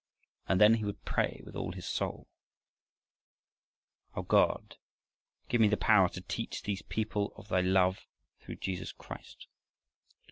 And then he would pray with all his soul: "O God, give me power to teach these people of thy love through Jesus Christ!"